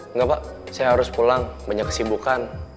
enggak pak saya harus pulang banyak kesibukan